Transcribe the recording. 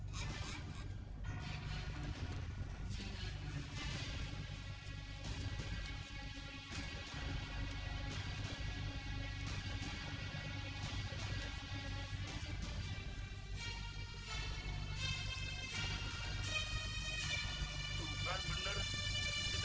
tidak tidak tidak